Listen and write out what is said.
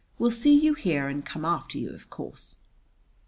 will see you here and come after you, of course."